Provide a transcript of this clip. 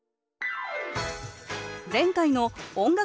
前回の音楽